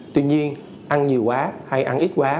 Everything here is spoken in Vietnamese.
tuy nhiên ăn nhiều quá hay ăn ít quá